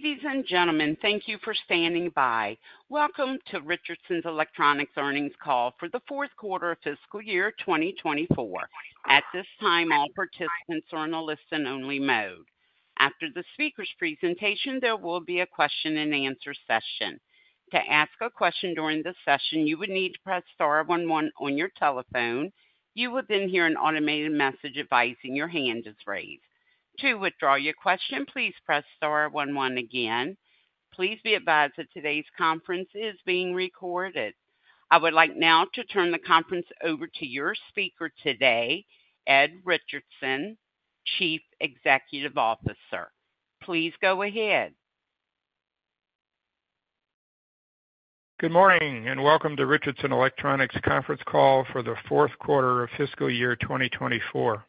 Ladies and gentlemen, thank you for standing by. Welcome to Richardson Electronics Earnings call for the fourth quarter of fiscal year 2024. At this time, all participants are on a listen-only mode. After the speaker's presentation, there will be a question-and-answer session. To ask a question during this session, you would need to press star one one on your telephone. You will then hear an automated message advising your hand is raised. To withdraw your question, please press star one one again. Please be advised that today's conference is being recorded. I would like now to turn the conference over to your speaker today, Ed Richardson, Chief Executive Officer. Please go ahead. Good morning and welcome to Richardson Electronics Conference Call for the fourth quarter of fiscal year 2024.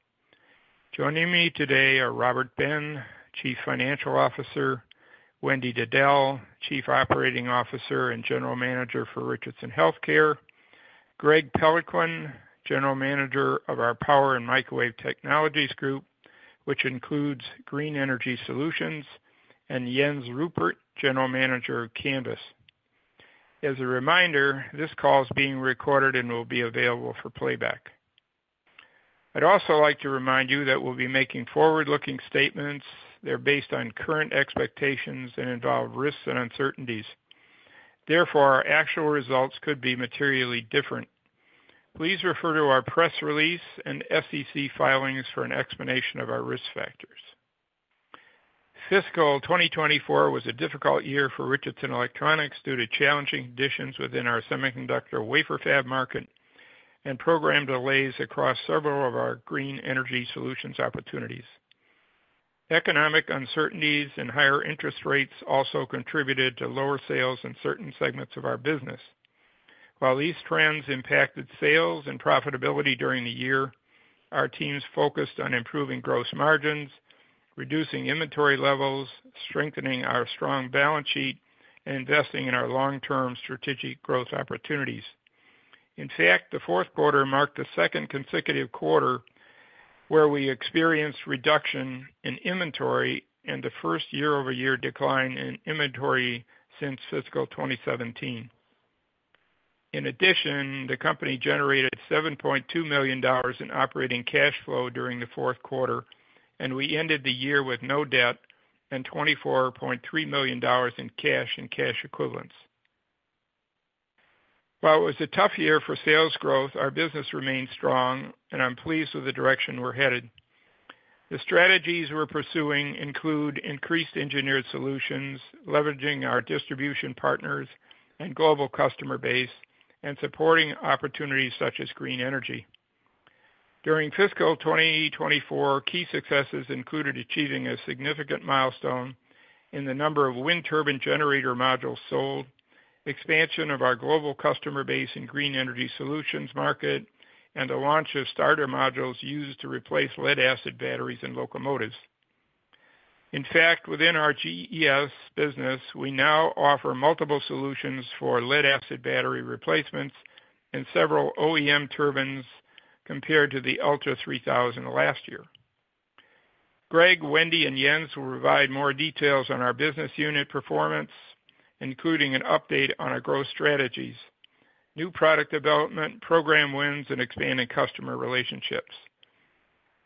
Joining me today are Robert Ben, Chief Financial Officer; Wendy Diddell, Chief Operating Officer and General Manager for Richardson Healthcare; Greg Peloquin, General Manager of our Power and Microwave Technologies Group, which includes Green Energy Solutions; and Jens Ruppert, General Manager of Canvys. As a reminder, this call is being recorded and will be available for playback. I'd also like to remind you that we'll be making forward-looking statements. They're based on current expectations and involve risks and uncertainties. Therefore, our actual results could be materially different. Please refer to our press release and SEC filings for an explanation of our risk factors. Fiscal 2024 was a difficult year for Richardson Electronics due to challenging conditions within our semiconductor wafer fab market and program delays across several of our green energy solutions opportunities. Economic uncertainties and higher interest rates also contributed to lower sales in certain segments of our business. While these trends impacted sales and profitability during the year, our teams focused on improving gross margins, reducing inventory levels, strengthening our strong balance sheet, and investing in our long-term strategic growth opportunities. In fact, the fourth quarter marked the second consecutive quarter where we experienced reduction in inventory and the first year-over-year decline in inventory since fiscal 2017. In addition, the company generated $7.2 million in operating cash flow during the fourth quarter, and we ended the year with no debt and $24.3 million in cash and cash equivalents. While it was a tough year for sales growth, our business remained strong, and I'm pleased with the direction we're headed. The strategies we're pursuing include increased engineered solutions, leveraging our distribution partners and global customer base, and supporting opportunities such as green energy. During fiscal 2024, key successes included achieving a significant milestone in the number of wind turbine generator modules sold, expansion of our global customer base in green energy solutions market, and the launch of starter modules used to replace lead-acid batteries in locomotives. In fact, within our GES business, we now offer multiple solutions for lead-acid battery replacements and several OEM turbines compared to the ULTRA3000 last year. Greg, Wendy, and Jens will provide more details on our business unit performance, including an update on our growth strategies, new product development, program wins, and expanding customer relationships.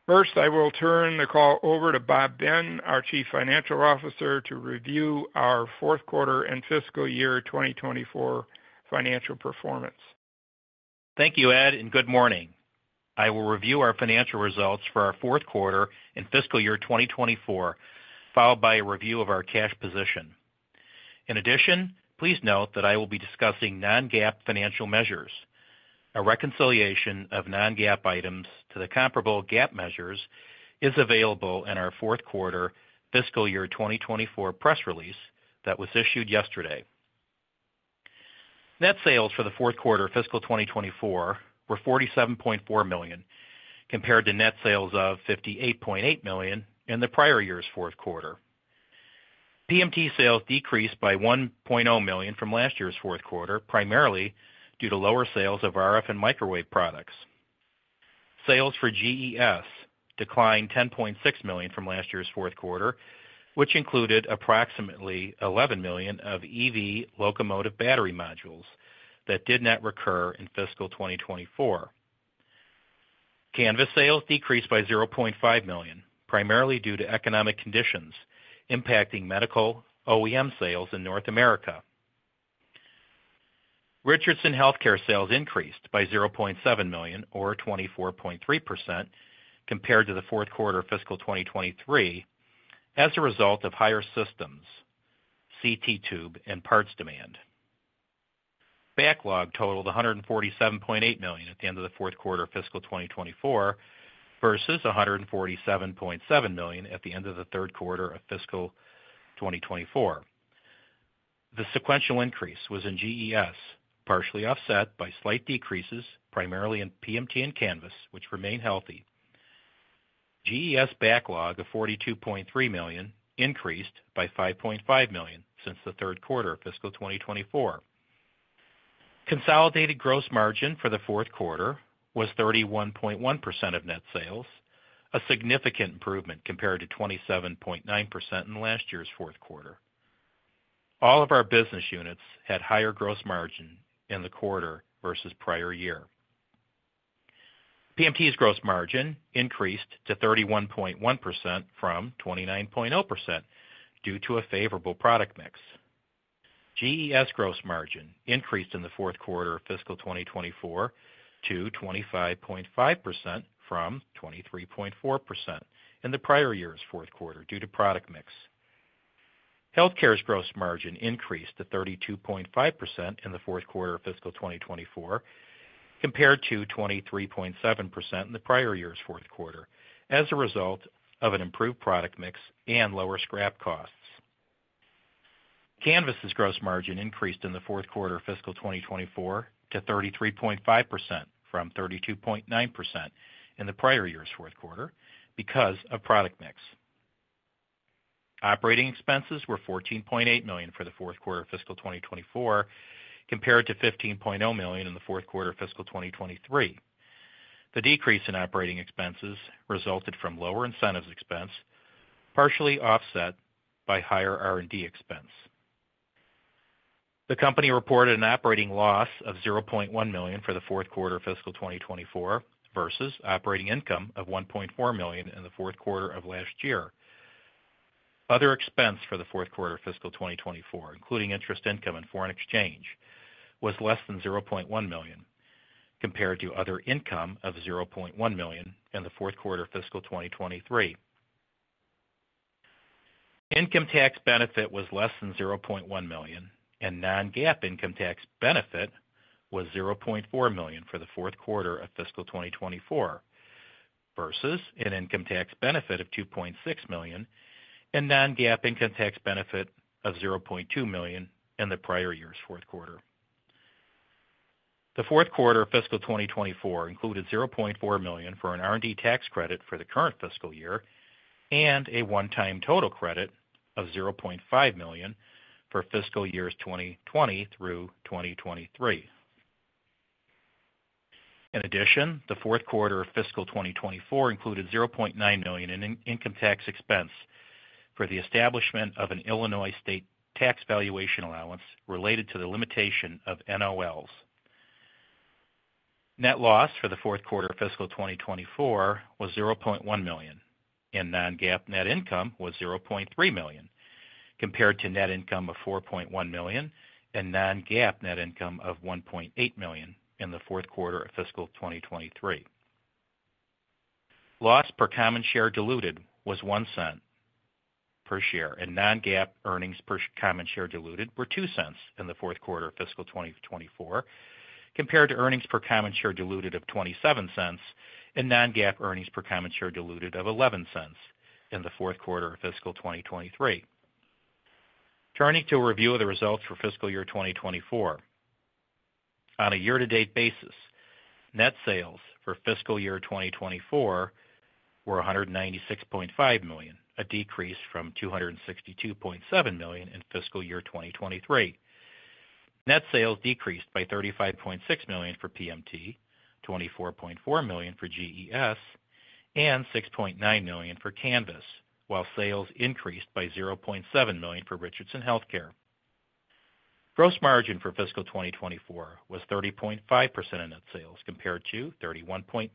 First, I will turn the call over to Bob Ben, our Chief Financial Officer, to review our fourth quarter and fiscal year 2024 financial performance. Thank you, Ed, and good morning. I will review our financial results for our fourth quarter and fiscal year 2024, followed by a review of our cash position. In addition, please note that I will be discussing non-GAAP financial measures. A reconciliation of non-GAAP items to the comparable GAAP measures is available in our fourth quarter fiscal year 2024 press release that was issued yesterday. Net sales for the fourth quarter of fiscal 2024 were $47.4 million, compared to net sales of $58.8 million in the prior year's fourth quarter. PMT sales decreased by $1.0 million from last year's fourth quarter, primarily due to lower sales of RF and microwave products. Sales for GES declined $10.6 million from last year's fourth quarter, which included approximately $11 million of EV locomotive battery modules that did not recur in fiscal 2024. Canvys sales decreased by $0.5 million, primarily due to economic conditions impacting medical OEM sales in North America. Richardson Healthcare sales increased by $0.7 million, or 24.3%, compared to the fourth quarter of fiscal 2023, as a result of higher systems, CT tube, and parts demand. Backlog totaled $147.8 million at the end of the fourth quarter of fiscal 2024 versus $147.7 million at the end of the third quarter of fiscal 2024. The sequential increase was in GES, partially offset by slight decreases, primarily in PMT and Canvys, which remain healthy. GES backlog of $42.3 million increased by $5.5 million since the third quarter of fiscal 2024. Consolidated gross margin for the fourth quarter was 31.1% of net sales, a significant improvement compared to 27.9% in last year's fourth quarter. All of our business units had higher gross margin in the quarter versus prior year. PMT's gross margin increased to 31.1% from 29.0% due to a favorable product mix. GES gross margin increased in the fourth quarter of fiscal 2024 to 25.5% from 23.4% in the prior year's fourth quarter due to product mix. Healthcare's gross margin increased to 32.5% in the fourth quarter of fiscal 2024, compared to 23.7% in the prior year's fourth quarter, as a result of an improved product mix and lower scrap costs. Canvys's gross margin increased in the fourth quarter of fiscal 2024 to 33.5% from 32.9% in the prior year's fourth quarter because of product mix. Operating expenses were $14.8 million for the fourth quarter of fiscal 2024, compared to $15.0 million in the fourth quarter of fiscal 2023. The decrease in operating expenses resulted from lower incentives expense, partially offset by higher R&D expense. The company reported an operating loss of $0.1 million for the fourth quarter of fiscal 2024 versus operating income of $1.4 million in the fourth quarter of last year. Other expense for the fourth quarter of fiscal 2024, including interest income and foreign exchange, was less than $0.1 million, compared to other income of $0.1 million in the fourth quarter of fiscal 2023. Income tax benefit was less than $0.1 million, and non-GAAP income tax benefit was $0.4 million for the fourth quarter of fiscal 2024, versus an income tax benefit of $2.6 million and non-GAAP income tax benefit of $0.2 million in the prior year's fourth quarter. The fourth quarter of fiscal 2024 included $0.4 million for an R&D tax credit for the current fiscal year and a one-time total credit of $0.5 million for fiscal years 2020 through 2023. In addition, the fourth quarter of fiscal 2024 included $0.9 million in income tax expense for the establishment of an Illinois state tax valuation allowance related to the limitation of NOLs. Net loss for the fourth quarter of fiscal 2024 was $0.1 million, and non-GAAP net income was $0.3 million, compared to net income of $4.1 million and non-GAAP net income of $1.8 million in the fourth quarter of fiscal 2023. Loss per common share diluted was $0.01 per share, and non-GAAP earnings per common share diluted were $0.02 in the fourth quarter of fiscal 2024, compared to earnings per common share diluted of $0.27 and non-GAAP earnings per common share diluted of $0.11 in the fourth quarter of fiscal 2023. Turning to a review of the results for fiscal year 2024, on a year-to-date basis, net sales for fiscal year 2024 were $196.5 million, a decrease from $262.7 million in fiscal year 2023. Net sales decreased by $35.6 million for PMT, $24.4 million for GES, and $6.9 million for Canvys, while sales increased by $0.7 million for Richardson Healthcare. Gross margin for fiscal 2024 was 30.5% in net sales, compared to 31.9%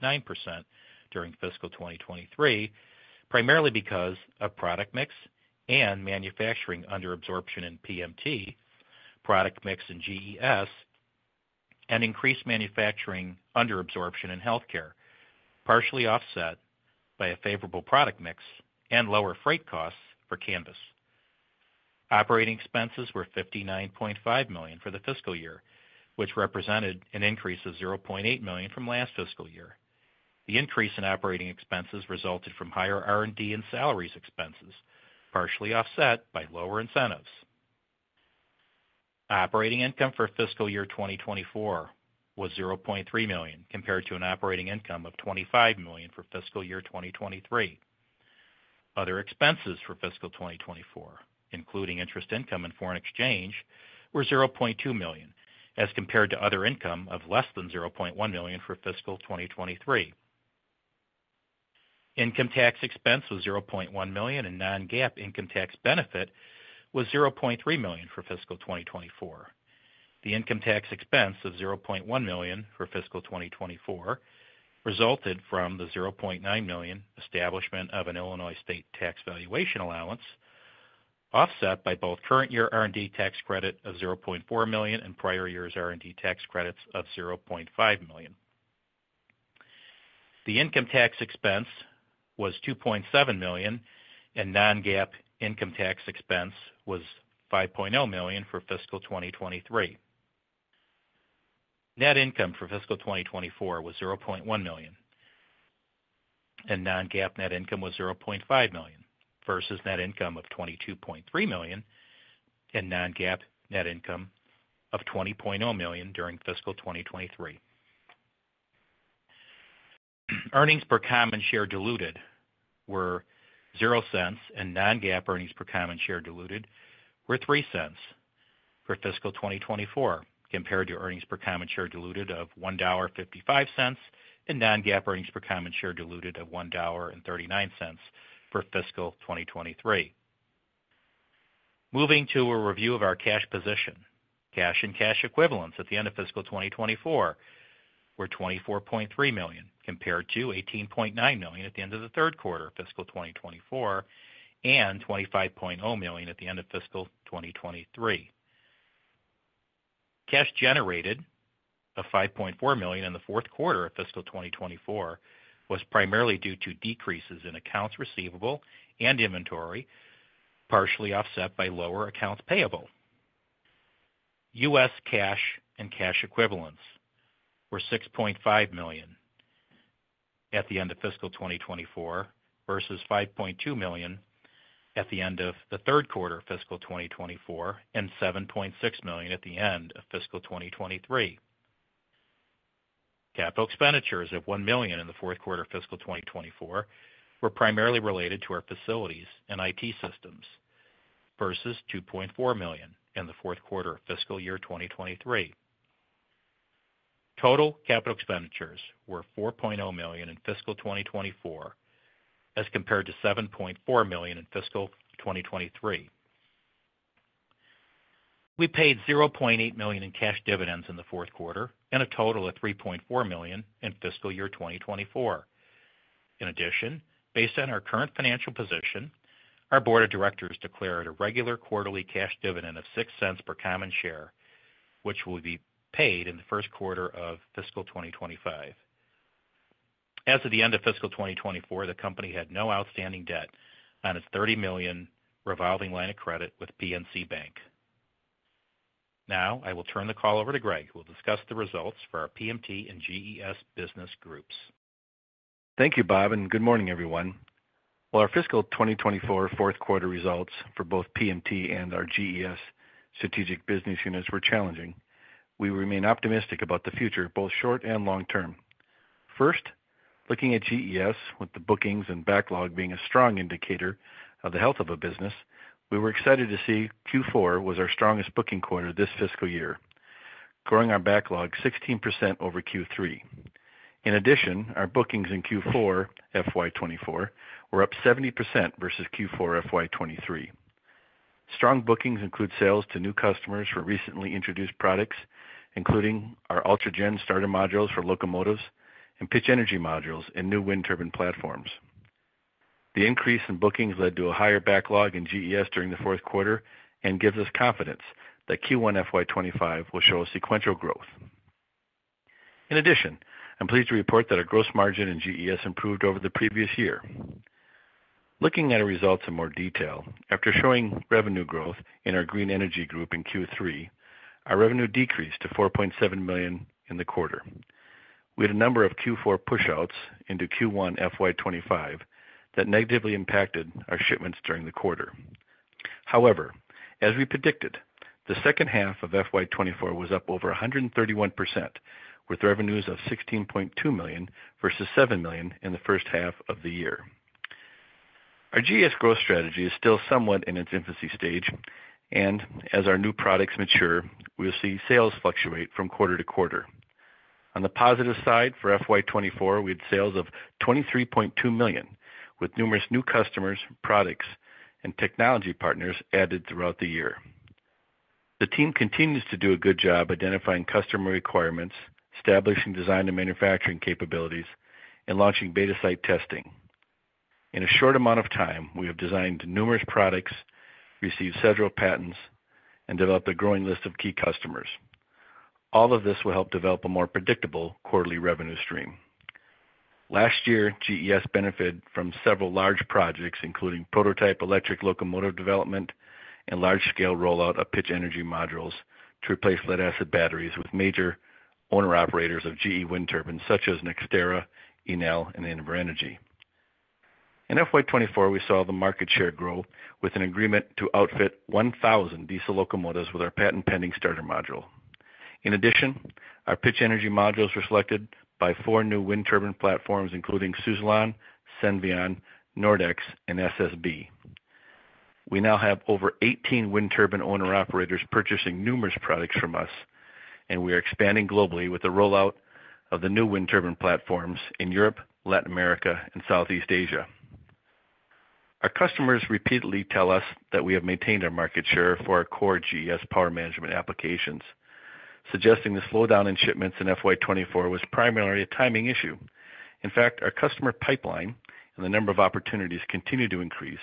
during fiscal 2023, primarily because of product mix and manufacturing under absorption in PMT, product mix in GES, and increased manufacturing under absorption in healthcare, partially offset by a favorable product mix and lower freight costs for Canvys. Operating expenses were $59.5 million for the fiscal year, which represented an increase of $0.8 million from last fiscal year. The increase in operating expenses resulted from higher R&D and salaries expenses, partially offset by lower incentives. Operating income for fiscal year 2024 was $0.3 million, compared to an operating income of $25 million for fiscal year 2023. Other expenses for fiscal 2024, including interest income and foreign exchange, were $0.2 million, as compared to other income of less than $0.1 million for fiscal 2023. Income tax expense was $0.1 million, and non-GAAP income tax benefit was $0.3 million for fiscal 2024. The income tax expense of $0.1 million for fiscal 2024 resulted from the $0.9 million establishment of an Illinois state tax valuation allowance, offset by both current year R&D tax credit of $0.4 million and prior year's R&D tax credits of $0.5 million. The income tax expense was $2.7 million, and non-GAAP income tax expense was $5.0 million for fiscal 2023. Net income for fiscal 2024 was $0.1 million, and non-GAAP net income was $0.5 million versus net income of $22.3 million and non-GAAP net income of $20.0 million during fiscal 2023. Earnings per common share diluted were $0.00, and non-GAAP earnings per common share diluted were $0.03 for fiscal 2024, compared to earnings per common share diluted of $1.55 and non-GAAP earnings per common share diluted of $1.39 for fiscal 2023. Moving to a review of our cash position, cash and cash equivalents at the end of fiscal 2024 were $24.3 million, compared to $18.9 million at the end of the third quarter of fiscal 2024 and $25.0 million at the end of fiscal 2023. Cash generated of $5.4 million in the fourth quarter of fiscal 2024 was primarily due to decreases in accounts receivable and inventory, partially offset by lower accounts payable. U.S. cash and cash equivalents were $6.5 million at the end of fiscal 2024 versus $5.2 million at the end of the third quarter of fiscal 2024 and $7.6 million at the end of fiscal 2023. Capital expenditures of $1 million in the fourth quarter of fiscal 2024 were primarily related to our facilities and IT systems versus $2.4 million in the fourth quarter of fiscal year 2023. Total capital expenditures were $4.0 million in fiscal 2024, as compared to $7.4 million in fiscal 2023. We paid $0.8 million in cash dividends in the fourth quarter and a total of $3.4 million in fiscal year 2024. In addition, based on our current financial position, our board of directors declared a regular quarterly cash dividend of $0.06 per common share, which will be paid in the first quarter of fiscal 2025. As of the end of fiscal 2024, the company had no outstanding debt on its $30 million revolving line of credit with PNC Bank. Now, I will turn the call over to Greg, who will discuss the results for our PMT and GES business groups. Thank you, Bob, and good morning, everyone. While our fiscal 2024 fourth quarter results for both PMT and our GES strategic business units were challenging, we remain optimistic about the future, both short and long term. First, looking at GES, with the bookings and backlog being a strong indicator of the health of a business, we were excited to see Q4 was our strongest booking quarter this fiscal year, growing our backlog 16% over Q3. In addition, our bookings in Q4 FY 2024 were up 70% versus Q4 FY 2023. Strong bookings include sales to new customers for recently introduced products, including our ULTRA Gen starter modules for locomotives and pitch energy modules and new wind turbine platforms. The increase in bookings led to a higher backlog in GES during the fourth quarter and gives us confidence that Q1 FY 2025 will show a sequential growth. In addition, I'm pleased to report that our gross margin in GES improved over the previous year. Looking at our results in more detail, after showing revenue growth in our green energy group in Q3, our revenue decreased to $4.7 million in the quarter. We had a number of Q4 push-outs into Q1 FY 2025 that negatively impacted our shipments during the quarter. However, as we predicted, the second half of FY 2024 was up over 131%, with revenues of $16.2 million versus $7 million in the first half of the year. Our GES growth strategy is still somewhat in its infancy stage, and as our new products mature, we'll see sales fluctuate from quarter-to-quarter. On the positive side for FY 2024, we had sales of $23.2 million, with numerous new customers, products, and technology partners added throughout the year. The team continues to do a good job identifying customer requirements, establishing design and manufacturing capabilities, and launching beta site testing. In a short amount of time, we have designed numerous products, received several patents, and developed a growing list of key customers. All of this will help develop a more predictable quarterly revenue stream. Last year, GES benefited from several large projects, including prototype electric locomotive development and large-scale rollout of pitch energy modules to replace lead-acid batteries with major owner-operators of GE wind turbines, such as NextEra, Enel, and Invenergy. In FY 2024, we saw the market share grow with an agreement to outfit 1,000 diesel locomotives with our patent-pending starter module. In addition, our pitch energy modules were selected by four new wind turbine platforms, including Suzlon, Senvion, Nordex, and SSB. We now have over 18 wind turbine owner-operators purchasing numerous products from us, and we are expanding globally with the rollout of the new wind turbine platforms in Europe, Latin America, and Southeast Asia. Our customers repeatedly tell us that we have maintained our market share for our core GES power management applications, suggesting the slowdown in shipments in FY 2024 was primarily a timing issue. In fact, our customer pipeline and the number of opportunities continue to increase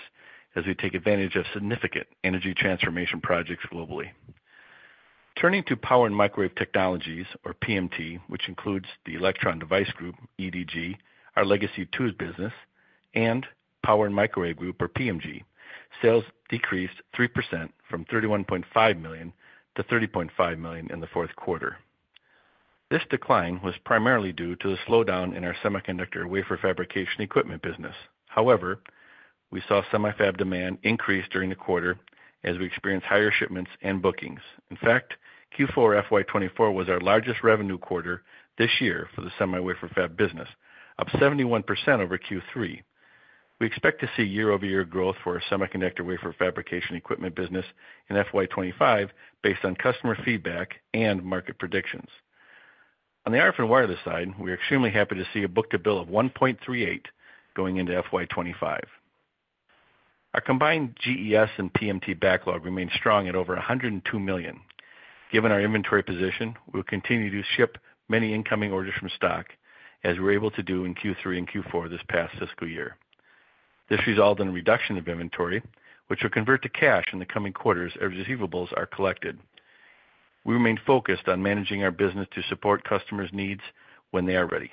as we take advantage of significant energy transformation projects globally. Turning to power and microwave technologies, or PMT, which includes the Electron Device Group, EDG, our legacy tube business, and power and microwave group, or PMG, sales decreased 3% from $31.5 million to $30.5 million in the fourth quarter. This decline was primarily due to the slowdown in our semiconductor wafer fabrication equipment business. However, we saw semi-fab demand increase during the quarter as we experienced higher shipments and bookings. In fact, Q4 FY 2024 was our largest revenue quarter this year for the semi-wafer fab business, up 71% over Q3. We expect to see year-over-year growth for our semiconductor wafer fabrication equipment business in FY 2025, based on customer feedback and market predictions. On the RF and wireless side, we are extremely happy to see a book-to-bill of $1.38 going into FY 2025. Our combined GES and PMT backlog remains strong at over $102 million. Given our inventory position, we will continue to ship many incoming orders from stock, as we were able to do in Q3 and Q4 this past fiscal year. This resulted in a reduction of inventory, which will convert to cash in the coming quarters as receivables are collected. We remain focused on managing our business to support customers' needs when they are ready.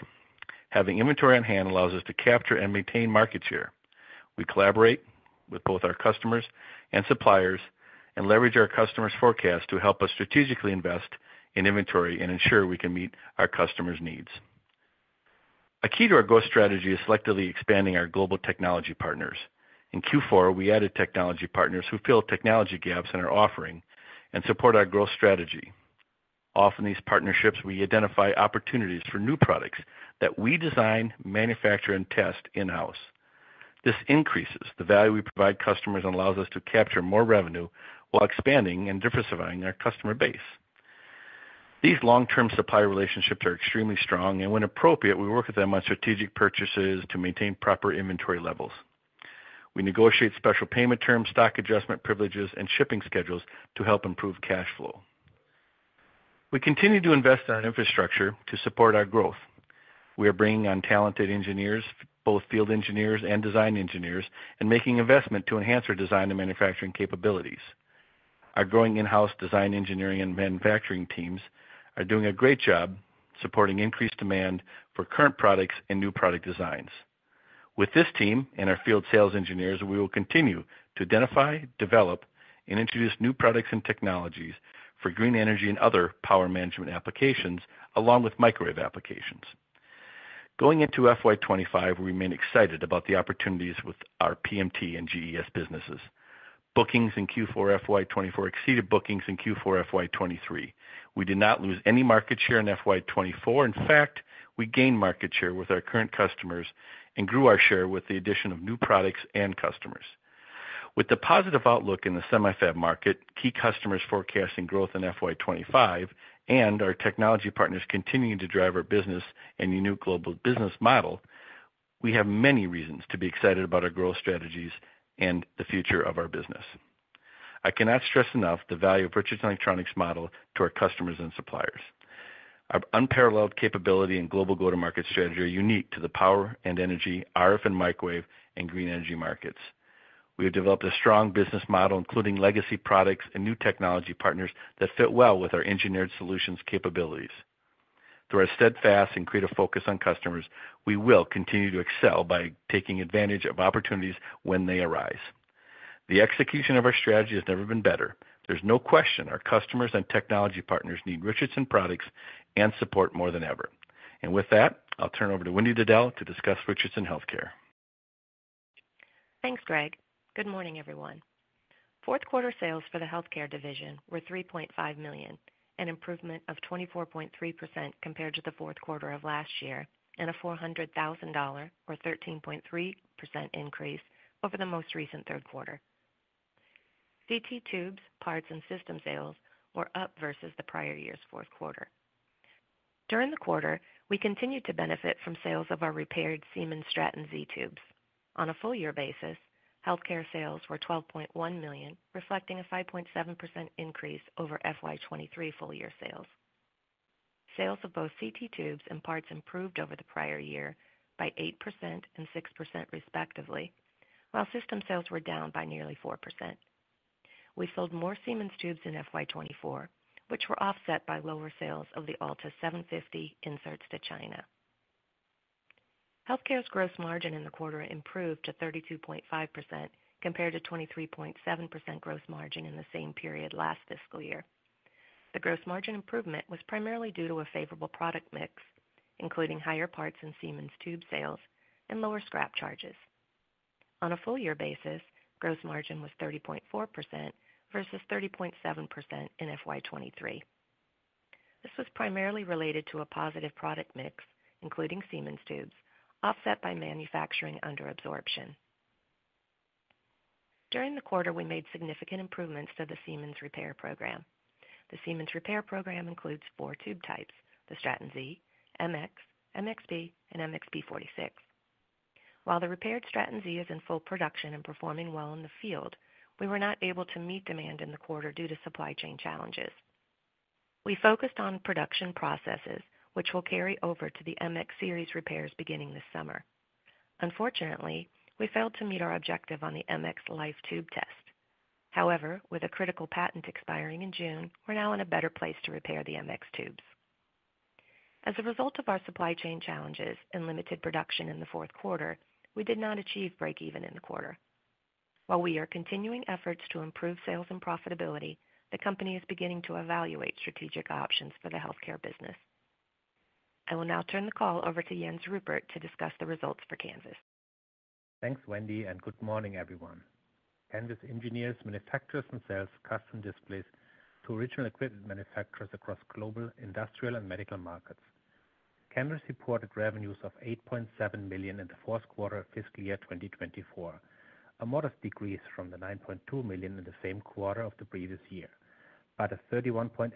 Having inventory on hand allows us to capture and maintain market share. We collaborate with both our customers and suppliers and leverage our customers' forecasts to help us strategically invest in inventory and ensure we can meet our customers' needs. A key to our growth strategy is selectively expanding our global technology partners. In Q4, we added technology partners who fill technology gaps in our offering and support our growth strategy. Often these partnerships, we identify opportunities for new products that we design, manufacture, and test in-house. This increases the value we provide customers and allows us to capture more revenue while expanding and diversifying our customer base. These long-term supply relationships are extremely strong, and when appropriate, we work with them on strategic purchases to maintain proper inventory levels. We negotiate special payment terms, stock adjustment privileges, and shipping schedules to help improve cash flow. We continue to invest in our infrastructure to support our growth. We are bringing on talented engineers, both field engineers and design engineers, and making investment to enhance our design and manufacturing capabilities. Our growing in-house design engineering and manufacturing teams are doing a great job supporting increased demand for current products and new product designs. With this team and our field sales engineers, we will continue to identify, develop, and introduce new products and technologies for green energy and other power management applications, along with microwave applications. Going into FY 2025, we remain excited about the opportunities with our PMT and GES businesses. Bookings in Q4 FY 2024 exceeded bookings in Q4 FY 2023. We did not lose any market share in FY 2024. In fact, we gained market share with our current customers and grew our share with the addition of new products and customers. With the positive outlook in the semi-fab market, key customers forecasting growth in FY 2025, and our technology partners continuing to drive our business and unique global business model, we have many reasons to be excited about our growth strategies and the future of our business. I cannot stress enough the value of Richardson Electronics' model to our customers and suppliers. Our unparalleled capability and global go-to-market strategy are unique to the power and energy, RF and microwave, and green energy markets. We have developed a strong business model, including legacy products and new technology partners that fit well with our engineered solutions capabilities. Through our steadfast and creative focus on customers, we will continue to excel by taking advantage of opportunities when they arise. The execution of our strategy has never been better. There's no question our customers and technology partners need Richardson products and support more than ever. With that, I'll turn it over to Wendy Diddell to discuss Richardson Healthcare. Thanks, Greg. Good morning, everyone. Fourth quarter sales for the healthcare division were $3.5 million, an improvement of 24.3% compared to the fourth quarter of last year and a $400,000 or 13.3% increase over the most recent third quarter. CT tubes, parts, and system sales were up versus the prior year's fourth quarter. During the quarter, we continued to benefit from sales of our repaired Siemens Stratton Z tubes. On a full-year basis, healthcare sales were $12.1 million, reflecting a 5.7% increase over FY 2023 full-year sales. Sales of both CT tubes and parts improved over the prior year by 8% and 6%, respectively, while system sales were down by nearly 4%. We sold more Siemens tubes in FY 2024, which were offset by lower sales of the ALTA750 inserts to China. Healthcare's gross margin in the quarter improved to 32.5% compared to 23.7% gross margin in the same period last fiscal year. The gross margin improvement was primarily due to a favorable product mix, including higher parts and Siemens tube sales and lower scrap charges. On a full-year basis, gross margin was 30.4% versus 30.7% in FY 2023. This was primarily related to a positive product mix, including Siemens tubes, offset by manufacturing under absorption. During the quarter, we made significant improvements to the Siemens repair program. The Siemens repair program includes four tube types: the Stratton Z, MX, MXB, and MXB46. While the repaired Stratton Z is in full production and performing well in the field, we were not able to meet demand in the quarter due to supply chain challenges. We focused on production processes, which will carry over to the MX series repairs beginning this summer. Unfortunately, we failed to meet our objective on the MX Life tube test. However, with a critical patent expiring in June, we're now in a better place to repair the MX tubes. As a result of our supply chain challenges and limited production in the fourth quarter, we did not achieve break-even in the quarter. While we are continuing efforts to improve sales and profitability, the company is beginning to evaluate strategic options for the healthcare business. I will now turn the call over to Jens Ruppert to discuss the results for Canvys. Thanks, Wendy, and good morning, everyone. Canvys engineers manufactures and sells custom displays to original equipment manufacturers across global industrial and medical markets. Canvys reported revenues of $8.7 million in the fourth quarter of fiscal year 2024, a modest decrease from the $9.2 million in the same quarter of the previous year, but a 31.8%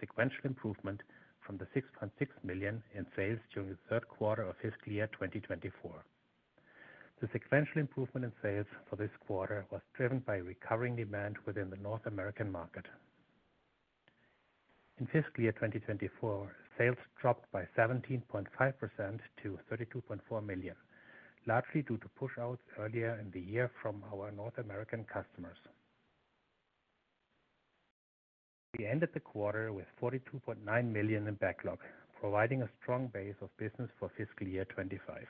sequential improvement from the $6.6 million in sales during the third quarter of fiscal year 2024. The sequential improvement in sales for this quarter was driven by recovering demand within the North American market. In fiscal year 2024, sales dropped by 17.5% to $32.4 million, largely due to push-outs earlier in the year from our North American customers. We ended the quarter with $42.9 million in backlog, providing a strong base of business for fiscal year 2025.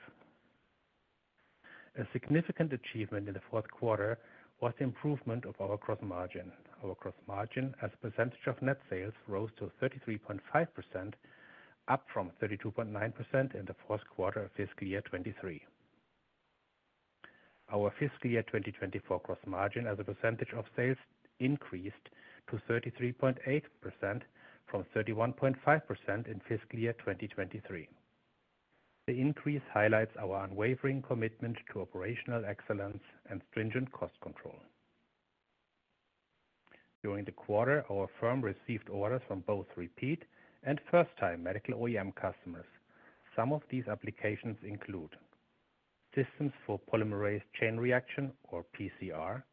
A significant achievement in the fourth quarter was the improvement of our gross margin. Our gross margin, as a percentage of net sales, rose to 33.5%, up from 32.9% in the fourth quarter of fiscal year 2023. Our fiscal year 2024 gross margin, as a percentage of sales, increased to 33.8% from 31.5% in fiscal year 2023. The increase highlights our unwavering commitment to operational excellence and stringent cost control. During the quarter, our firm received orders from both repeat and first-time medical OEM customers. Some of these applications include systems for polymerase chain reaction, or PCR,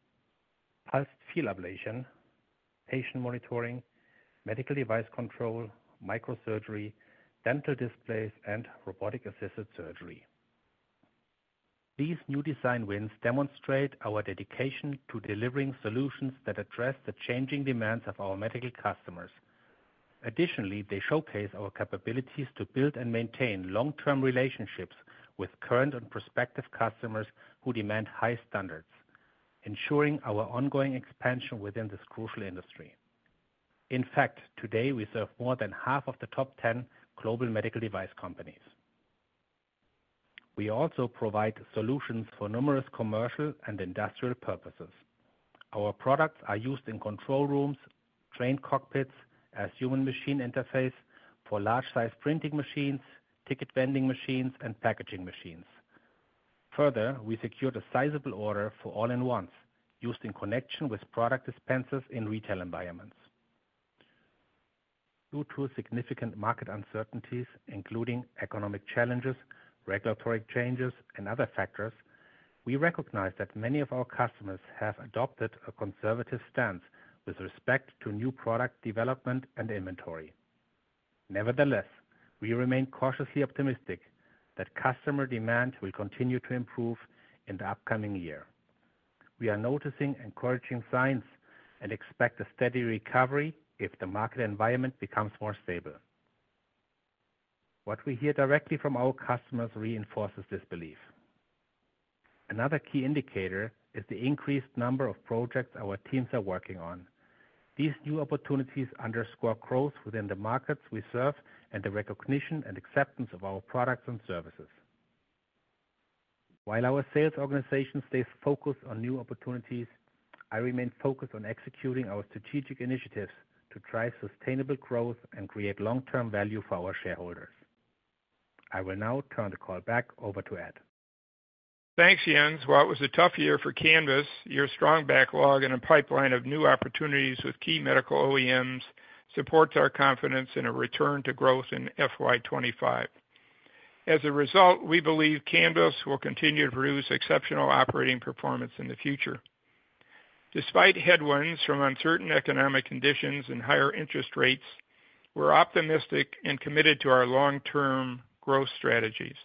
pulsed field ablation, patient monitoring, medical device control, microsurgery, dental displays, and robotic-assisted surgery. These new design wins demonstrate our dedication to delivering solutions that address the changing demands of our medical customers. Additionally, they showcase our capabilities to build and maintain long-term relationships with current and prospective customers who demand high standards, ensuring our ongoing expansion within this crucial industry. In fact, today, we serve more than half of the top 10 global medical device companies. We also provide solutions for numerous commercial and industrial purposes. Our products are used in control rooms, train cockpits, as human-machine interface for large-size printing machines, ticket vending machines, and packaging machines. Further, we secured a sizable order for all-in-ones used in connection with product dispensers in retail environments. Due to significant market uncertainties, including economic challenges, regulatory changes, and other factors, we recognize that many of our customers have adopted a conservative stance with respect to new product development and inventory. Nevertheless, we remain cautiously optimistic that customer demand will continue to improve in the upcoming year. We are noticing encouraging signs and expect a steady recovery if the market environment becomes more stable. What we hear directly from our customers reinforces this belief. Another key indicator is the increased number of projects our teams are working on. These new opportunities underscore growth within the markets we serve and the recognition and acceptance of our products and services. While our sales organization stays focused on new opportunities, I remain focused on executing our strategic initiatives to drive sustainable growth and create long-term value for our shareholders. I will now turn the call back over to Ed. Thanks, Jens. While it was a tough year for Canvys, your strong backlog and a pipeline of new opportunities with key medical OEMs support our confidence in a return to growth in FY 2025. As a result, we believe Canvys will continue to produce exceptional operating performance in the future. Despite headwinds from uncertain economic conditions and higher interest rates, we're optimistic and committed to our long-term growth strategies.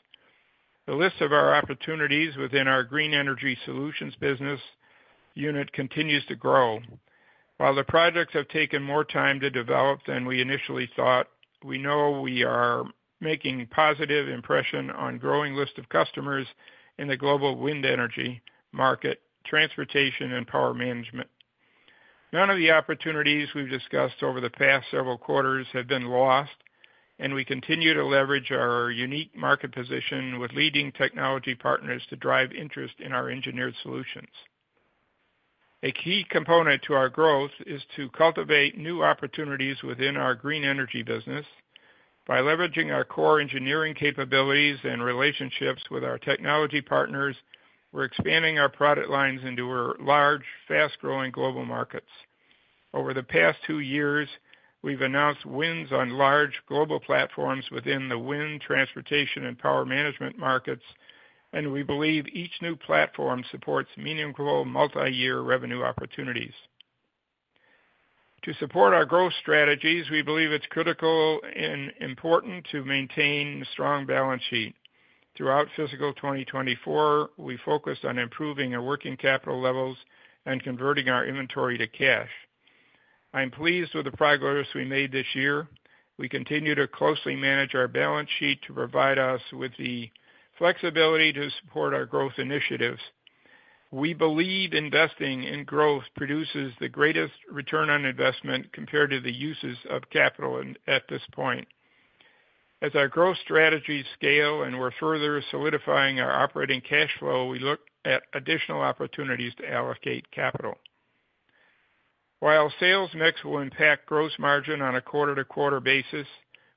The list of our opportunities within our green energy solutions business unit continues to grow. While the projects have taken more time to develop than we initially thought, we know we are making a positive impression on a growing list of customers in the global wind energy market, transportation, and power management. None of the opportunities we've discussed over the past several quarters have been lost, and we continue to leverage our unique market position with leading technology partners to drive interest in our engineered solutions. A key component to our growth is to cultivate new opportunities within our green energy business. By leveraging our core engineering capabilities and relationships with our technology partners, we're expanding our product lines into our large, fast-growing global markets. Over the past two years, we've announced wins on large global platforms within the wind, transportation, and power management markets, and we believe each new platform supports meaningful multi-year revenue opportunities. To support our growth strategies, we believe it's critical and important to maintain a strong balance sheet. Throughout fiscal 2024, we focused on improving our working capital levels and converting our inventory to cash. I'm pleased with the progress we made this year. We continue to closely manage our balance sheet to provide us with the flexibility to support our growth initiatives. We believe investing in growth produces the greatest return on investment compared to the uses of capital at this point. As our growth strategies scale and we're further solidifying our operating cash flow, we look at additional opportunities to allocate capital. While sales mix will impact gross margin on a quarter-to-quarter basis,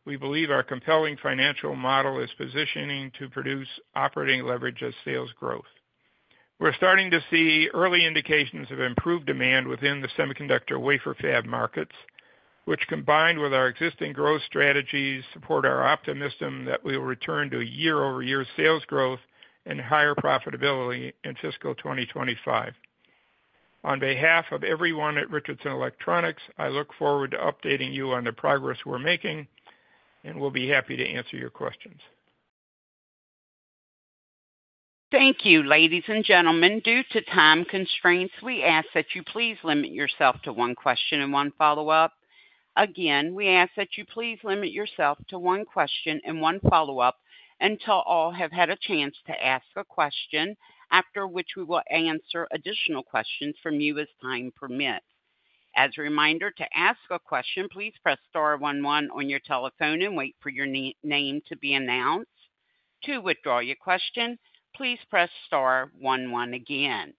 we believe our compelling financial model is positioning to produce operating leverage as sales growth. We're starting to see early indications of improved demand within the semiconductor wafer fab markets, which, combined with our existing growth strategies, support our optimism that we will return to year-over-year sales growth and higher profitability in fiscal 2025. On behalf of everyone at Richardson Electronics, I look forward to updating you on the progress we're making, and we'll be happy to answer your questions. Thank you, ladies and gentlemen. Due to time constraints, we ask that you please limit yourself to one question and one follow-up. Again, we ask that you please limit yourself to one question and one follow-up until all have had a chance to ask a question, after which we will answer additional questions from you as time permits. As a reminder, to ask a question, please press star one one on your telephone and wait for your name to be announced. To withdraw your question, please press star one one again.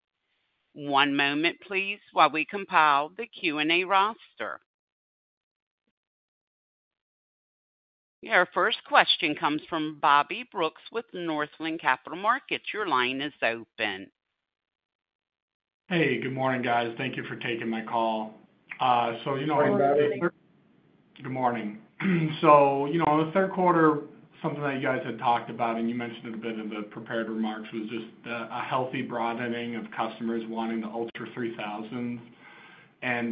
One moment, please, while we compile the Q&A roster. Our first question comes from Bobby Brooks with Northland Capital Markets. Your line is open. Hey, good morning, guys. Thank you for taking my call. So, you know. Hey, Bobby. Good morning. So, you know, the third quarter, something that you guys had talked about, and you mentioned a bit in the prepared remarks, was just a healthy broadening of customers wanting the ULTRA3000. And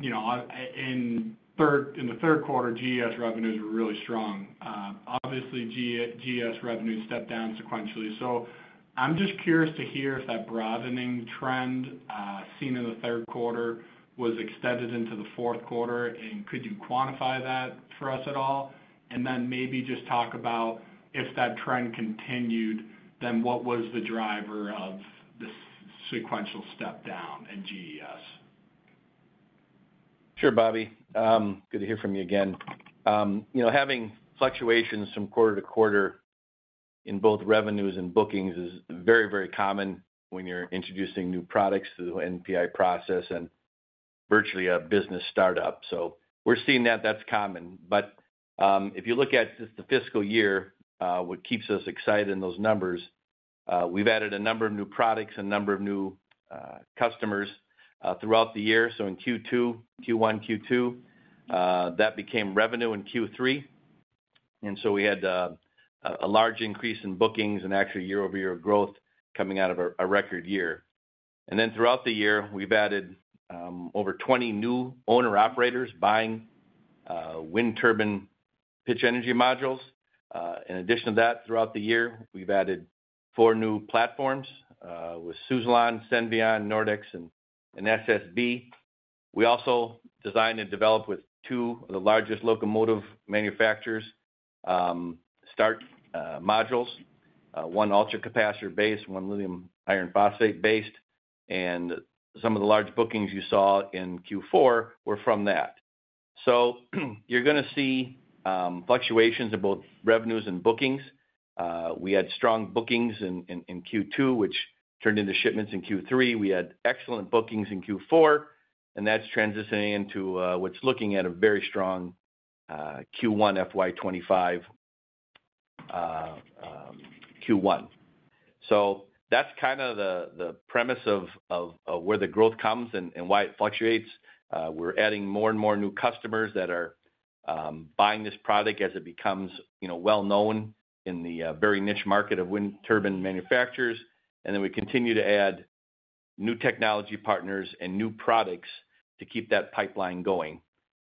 in the third quarter, GES revenues were really strong. Obviously, GES revenues stepped down sequentially. So I'm just curious to hear if that broadening trend seen in the third quarter was extended into the fourth quarter, and could you quantify that for us at all? And then maybe just talk about if that trend continued, then what was the driver of this sequential step down in GES? Sure, Bobby. Good to hear from you again. You know, having fluctuations from quarter-to-quarter in both revenues and bookings is very, very common when you're introducing new products through the NPI process and virtually a business startup. So we're seeing that that's common. But if you look at just the fiscal year, what keeps us excited in those numbers, we've added a number of new products, a number of new customers throughout the year. So in Q2, Q1, Q2, that became revenue in Q3. And so we had a large increase in bookings and actually year-over-year growth coming out of a record year. And then throughout the year, we've added over 20 new owner-operators buying wind turbine pitch energy modules. In addition to that, throughout the year, we've added four new platforms with Suzlon, Senvion, Nordex, and SSB. We also designed and developed with two of the largest locomotive manufacturers starter modules, one ultracapacitor-based, one lithium iron phosphate-based. Some of the large bookings you saw in Q4 were from that. You're going to see fluctuations in both revenues and bookings. We had strong bookings in Q2, which turned into shipments in Q3. We had excellent bookings in Q4, and that's transitioning into what's looking at a very strong Q1 FY 2025 Q1. That's kind of the premise of where the growth comes and why it fluctuates. We're adding more and more new customers that are buying this product as it becomes well-known in the very niche market of wind turbine manufacturers. Then we continue to add new technology partners and new products to keep that pipeline going.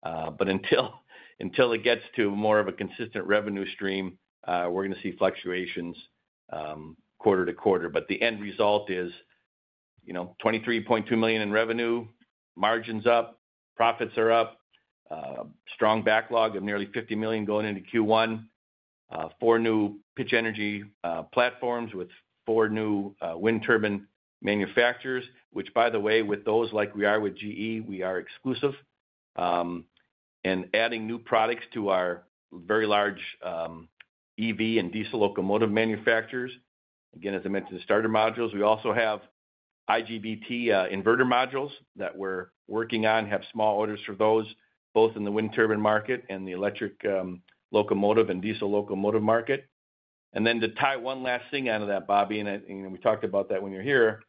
But until it gets to more of a consistent revenue stream, we're going to see fluctuations quarter-to-quarter. But the end result is $23.2 million in revenue, margins up, profits are up, strong backlog of nearly $50 million going into Q1, 4 new pitch energy platforms with 4 new wind turbine manufacturers, which, by the way, with those, like we are with GE, we are exclusive. And adding new products to our very large EV and diesel locomotive manufacturers. Again, as I mentioned, starter modules. We also have IGBT inverter modules that we're working on, have small orders for those, both in the wind turbine market and the electric locomotive and diesel locomotive market. And then to tie one last thing out of that, Bobby, and we talked about that when you're here,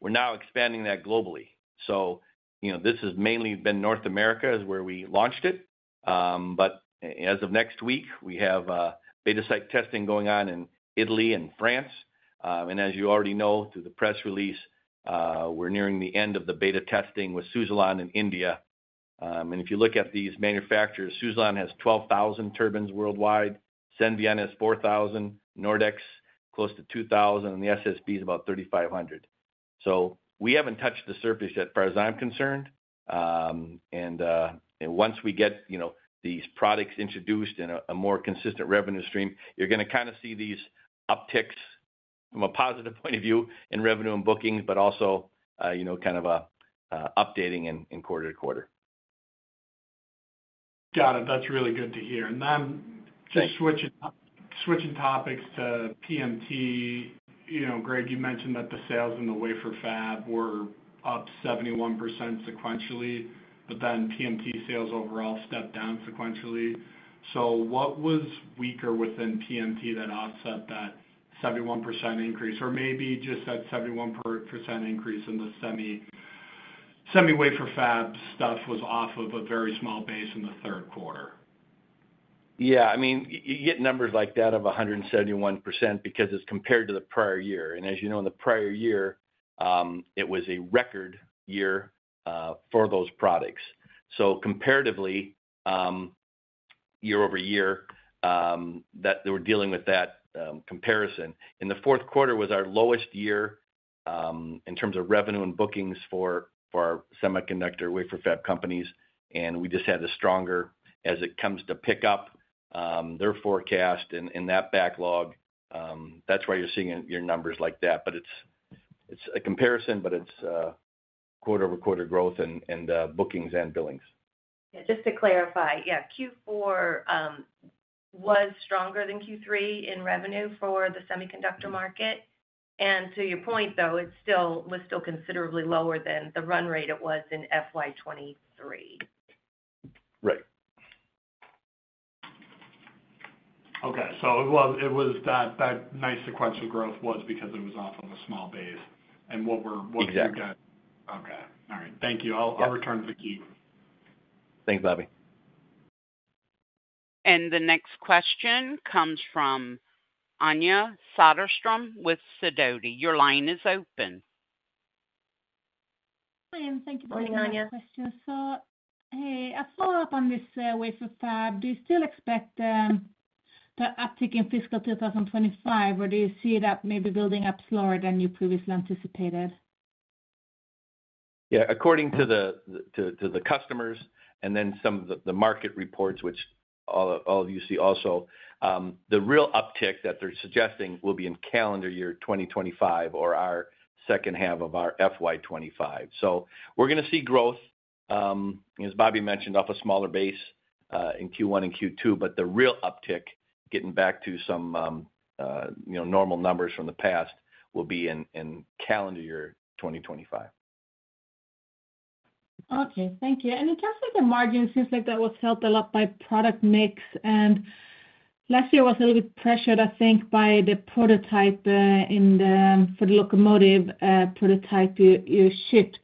we're now expanding that globally. So this has mainly been North America, is where we launched it. But as of next week, we have beta site testing going on in Italy and France. And as you already know through the press release, we're nearing the end of the beta testing with Suzlon in India. And if you look at these manufacturers, Suzlon has 12,000 turbines worldwide, Senvion has 4,000, Nordex close to 2,000, and the SSB is about 3,500. So we haven't touched the surface yet as far as I'm concerned. And once we get these products introduced in a more consistent revenue stream, you're going to kind of see these upticks from a positive point of view in revenue and bookings, but also kind of updating in quarter-to-quarter. Got it. That's really good to hear. And then just switching topics to PMT, Greg, you mentioned that the sales in the wafer fab were up 71% sequentially, but then PMT sales overall stepped down sequentially. So what was weaker within PMT that offset that 71% increase? Or maybe just that 71% increase in the semi-wafer fab stuff was off of a very small base in the third quarter? Yeah. I mean, you get numbers like that of 171% because it's compared to the prior year. And as you know, in the prior year, it was a record year for those products. So comparatively, year-over-year, that we're dealing with that comparison. In the fourth quarter was our lowest year in terms of revenue and bookings for our semiconductor wafer fab companies. And we just had a stronger as it comes to pick up their forecast and that backlog. That's why you're seeing your numbers like that. But it's a comparison, but it's quarter-over-quarter growth in bookings and billings. Yeah. Just to clarify, yeah, Q4 was stronger than Q3 in revenue for the semiconductor market. And to your point, though, it was still considerably lower than the run rate it was in FY 2023. Right. Okay. So it was that nice sequential growth was because it was off of a small base. And what we're looking at. Exactly. Okay. All right. Thank you. I'll return to the queue. Thanks, Bobby. The next question comes from Anya Soderstrom with Sidoti. Your line is open. Hi, and thank you for the question. So hey, a follow-up on this wafer fab. Do you still expect the uptick in fiscal 2025, or do you see that maybe building up slower than you previously anticipated? Yeah. According to the customers and then some of the market reports, which all of you see also, the real uptick that they're suggesting will be in calendar year 2025 or our second half of our FY 2025. So we're going to see growth, as Bobby mentioned, off a smaller base in Q1 and Q2, but the real uptick, getting back to some normal numbers from the past, will be in calendar year 2025. Okay. Thank you. In terms of the margins, it seems like that was helped a lot by product mix. Last year was a little bit pressured, I think, by the locomotive prototype you shipped.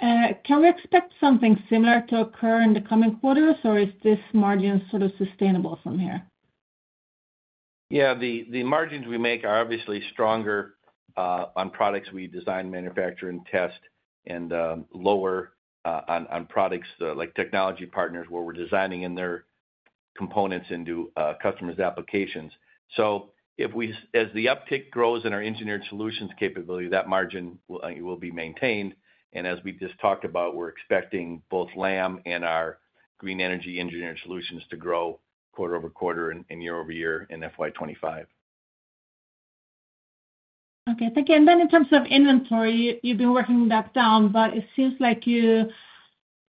Can we expect something similar to occur in the coming quarters, or is this margin sort of sustainable from here? Yeah. The margins we make are obviously stronger on products we design, manufacture, and test, and lower on products like technology partners where we're designing in their components into customers' applications. So as the uptick grows in our engineered solutions capability, that margin will be maintained. And as we just talked about, we're expecting both Lam and our green energy engineered solutions to grow quarter-over-quarter and year-over-year in FY 2025. Okay. Thank you. Then in terms of inventory, you've been working that down, but it seems like you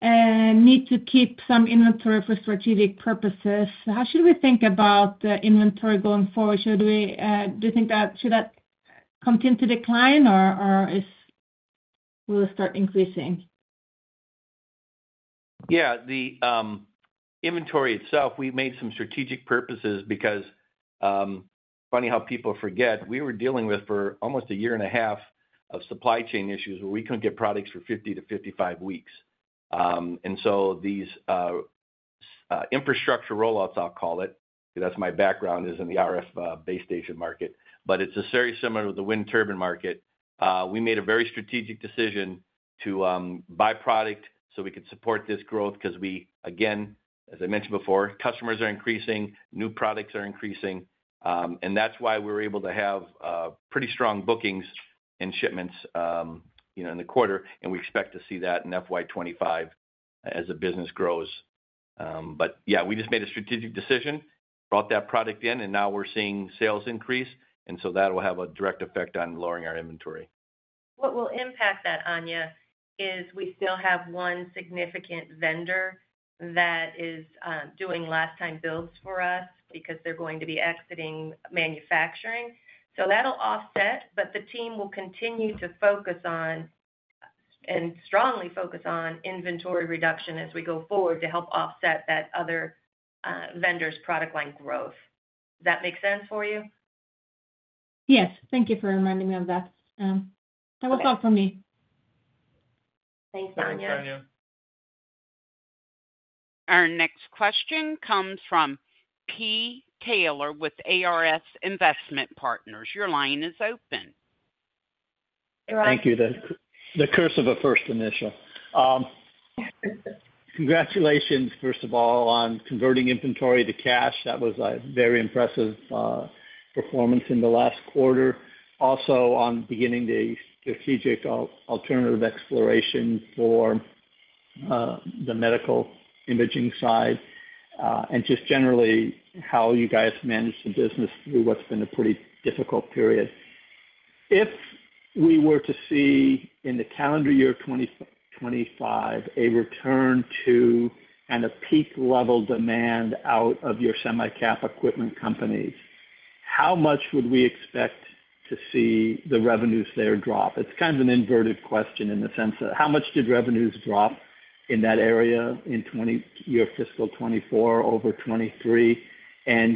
need to keep some inventory for strategic purposes. How should we think about the inventory going forward? Do you think that should continue to decline, or will it start increasing? Yeah. The inventory itself, we made some strategic purposes because it's funny how people forget. We were dealing with for almost a year and a half of supply chain issues where we couldn't get products for 50 weeks-55 weeks. And so these infrastructure rollouts, I'll call it, because that's my background, is in the RF base station market. But it's very similar to the wind turbine market. We made a very strategic decision to buy product so we could support this growth because we, again, as I mentioned before, customers are increasing, new products are increasing. That's why we were able to have pretty strong bookings and shipments in the quarter. And we expect to see that in FY 2025 as the business grows. But yeah, we just made a strategic decision, brought that product in, and now we're seeing sales increase. That will have a direct effect on lowering our inventory. What will impact that, Anya, is we still have one significant vendor that is doing last-time builds for us because they're going to be exiting manufacturing. So that'll offset, but the team will continue to focus on and strongly focus on inventory reduction as we go forward to help offset that other vendor's product line growth. Does that make sense for you? Yes. Thank you for reminding me of that. That was all from me. Thanks, Anya. Thanks, Anya. Our next question comes from Ross Taylor with ARS Investment Partners. Your line is open. Thank you. The curse of a first initial. Congratulations, first of all, on converting inventory to cash. That was a very impressive performance in the last quarter. Also on beginning the strategic alternative exploration for the medical imaging side and just generally how you guys manage the business through what's been a pretty difficult period. If we were to see in the calendar year 2025 a return to kind of peak-level demand out of your semi-cap equipment companies, how much would we expect to see the revenues there drop? It's kind of an inverted question in the sense of how much did revenues drop in that area in your fiscal 2024 over 2023?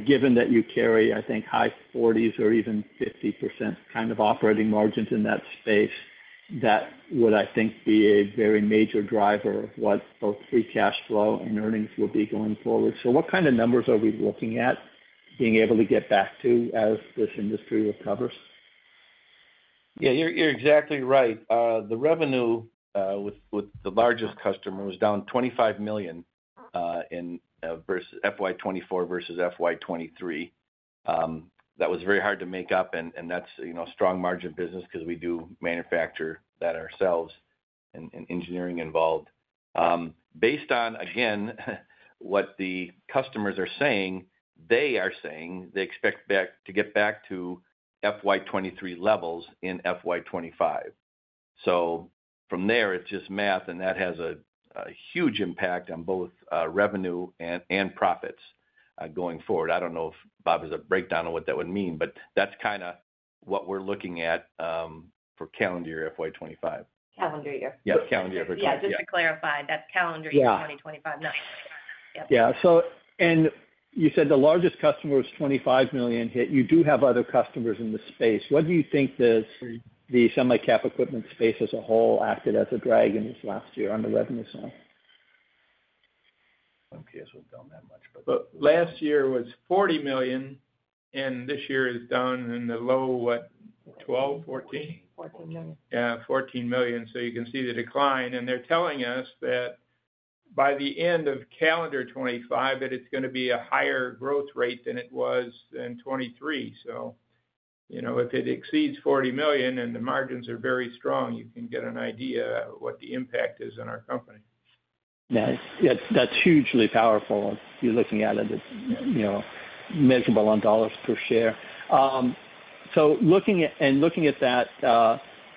Given that you carry, I think, high 40%s or even 50% kind of operating margins in that space, that would, I think, be a very major driver of what both free cash flow and earnings will be going forward. What kind of numbers are we looking at being able to get back to as this industry recovers? Yeah. You're exactly right. The revenue with the largest customer was down $25 million versus FY 2024 versus FY 2023. That was very hard to make up, and that's a strong margin business because we do manufacture that ourselves and engineering involved. Based on, again, what the customers are saying, they are saying they expect to get back to FY 2023 levels in FY 2025. So from there, it's just math, and that has a huge impact on both revenue and profits going forward. I don't know if Bob has a breakdown on what that would mean, but that's kind of what we're looking at for calendar year FY 2025. Calendar year. Yeah. Calendar year for calendar year. Yeah. Just to clarify, that's calendar year 2025. Yeah. And you said the largest customer was $25 million. You do have other customers in the space. What do you think the semi-cap equipment space as a whole acted as a drag in this last year on the revenue side? I don't think it's down that much, but. But last year was $40 million, and this year is down in the low, what, $12 million-$14 million? $14 million. Yeah. $14 million. So you can see the decline. They're telling us that by the end of calendar 2025, that it's going to be a higher growth rate than it was in 2023. So if it exceeds $40 million and the margins are very strong, you can get an idea of what the impact is on our company. Yeah. That's hugely powerful if you're looking at it in measurable on dollars per share. And looking at that,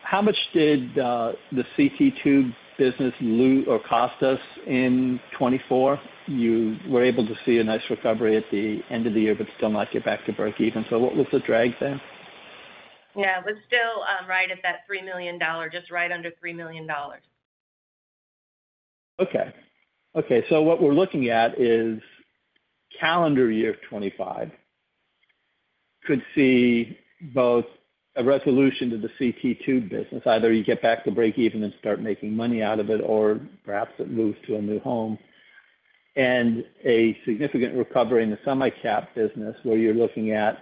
how much did the CT tube business cost us in 2024? You were able to see a nice recovery at the end of the year, but still not get back to break even. So what was the drag there? Yeah. It was still right at that $3 million, just right under $3 million. Okay. Okay. So what we're looking at is calendar year 2025 could see both a resolution to the CT tube business. Either you get back to break even and start making money out of it, or perhaps it moves to a new home. And a significant recovery in the semi-cap business where you're looking at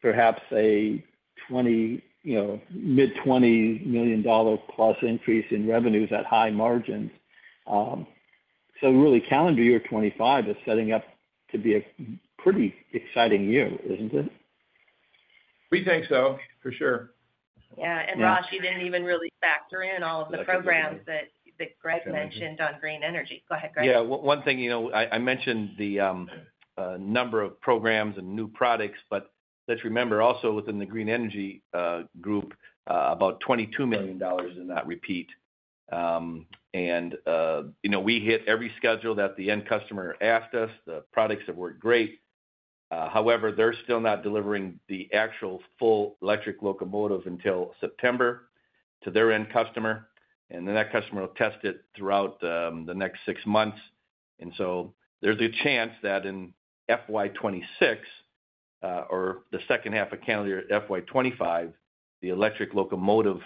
perhaps a mid-$20+ million increase in revenues at high margins. So really, calendar year 2025 is setting up to be a pretty exciting year, isn't it? We think so, for sure. Yeah. And Ross, you didn't even really factor in all of the programs that Greg mentioned on green energy. Go ahead, Greg. Yeah. One thing, I mentioned the number of programs and new products, but let's remember also within the green energy group, about $22 million in that repeat. We hit every schedule that the end customer asked us. The products have worked great. However, they're still not delivering the actual full electric locomotive until September to their end customer. Then that customer will test it throughout the next six months. So there's a chance that in FY 2026 or the second half of calendar year FY 2025, the electric locomotive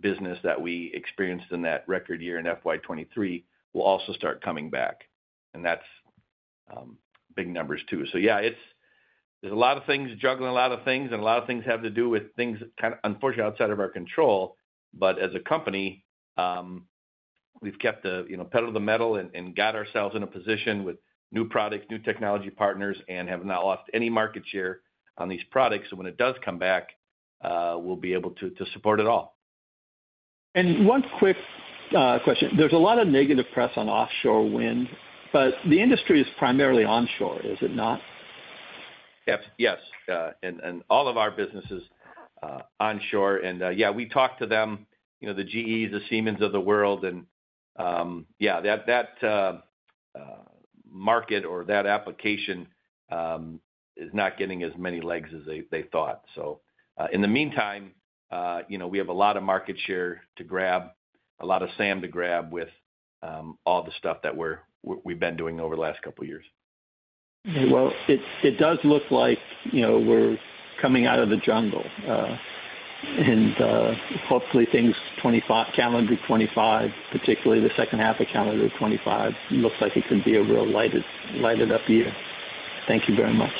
business that we experienced in that record year in FY 2023 will also start coming back. That's big numbers too. So yeah, there's a lot of things juggling a lot of things, and a lot of things have to do with things kind of, unfortunately, outside of our control. As a company, we've kept the pedal to the metal and got ourselves in a position with new products, new technology partners, and have not lost any market share on these products. So when it does come back, we'll be able to support it all. One quick question. There's a lot of negative press on offshore wind, but the industry is primarily onshore, is it not? Yes. All of our businesses onshore. Yeah, we talked to them, the GEs, the Siemens of the world. Yeah, that market or that application is not getting as many legs as they thought. So in the meantime, we have a lot of market share to grab, a lot of SAM to grab with all the stuff that we've been doing over the last couple of years. Well, it does look like we're coming out of the jungle. Hopefully, things calendar 2025, particularly the second half of calendar 2025, looks like it could be a real lighted-up year. Thank you very much.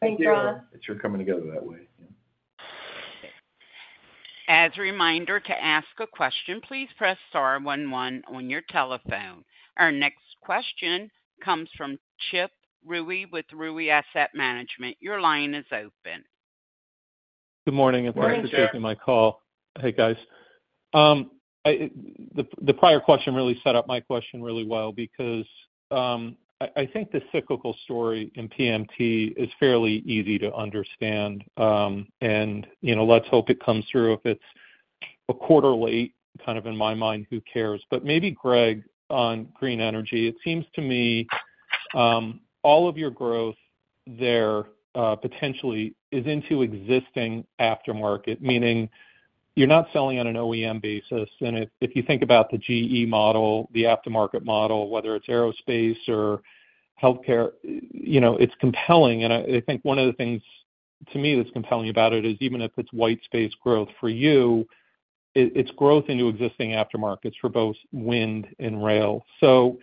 Thank you, Ross. It's sure coming together that way. As a reminder to ask a question, please press star one one on your telephone. Our next question comes from Chip Rewey with Rewey Asset Management. Your line is open. Good morning. Thanks for taking my call. Hey, guys. The prior question really set up my question really well because I think the cyclical story in PMT is fairly easy to understand. And let's hope it comes through. If it's a quarter late, kind of in my mind, who cares? But maybe Greg on green energy. It seems to me all of your growth there potentially is into existing aftermarket, meaning you're not selling on an OEM basis. And if you think about the GE model, the aftermarket model, whether it's aerospace or healthcare, it's compelling. And I think one of the things to me that's compelling about it is even if it's white space growth for you, it's growth into existing aftermarkets for both wind and rail. So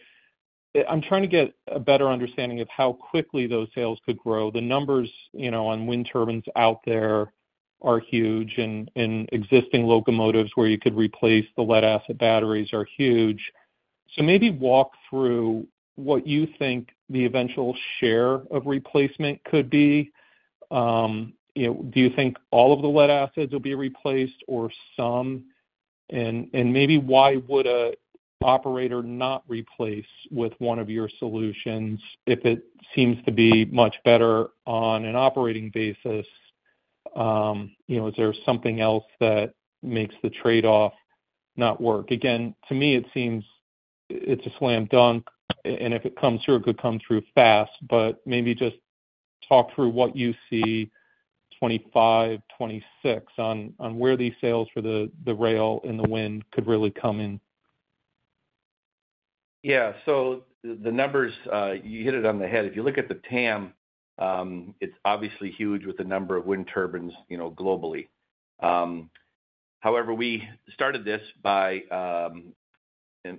I'm trying to get a better understanding of how quickly those sales could grow. The numbers on wind turbines out there are huge, and existing locomotives where you could replace the lead-acid batteries are huge. So maybe walk through what you think the eventual share of replacement could be. Do you think all of the lead-acids will be replaced or some? And maybe why would an operator not replace with one of your solutions if it seems to be much better on an operating basis? Is there something else that makes the trade-off not work? Again, to me, it seems it's a slam dunk. And if it comes through, it could come through fast. But maybe just talk through what you see 2025, 2026 on where these sales for the rail and the wind could really come in. Yeah. So the numbers, you hit it on the head. If you look at the TAM, it's obviously huge with the number of wind turbines globally. However, we started this by,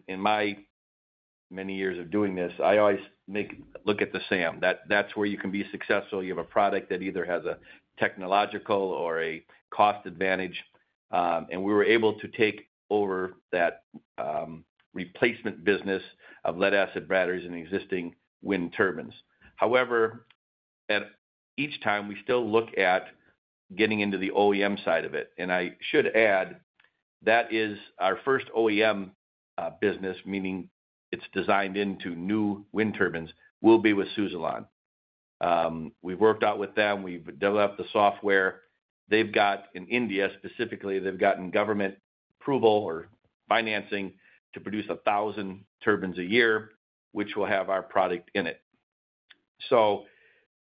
in my many years of doing this, I always look at the SAM. That's where you can be successful. You have a product that either has a technological or a cost advantage. And we were able to take over that replacement business of lead-acid batteries and existing wind turbines. However, each time, we still look at getting into the OEM side of it. And I should add, that is our first OEM business, meaning it's designed into new wind turbines, will be with Suzlon. We've worked out with them. We've developed the software. In India, specifically, they've gotten government approval or financing to produce 1,000 turbines a year, which will have our product in it. So